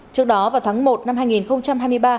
trước đó vào tháng một năm hai nghìn hai mươi ba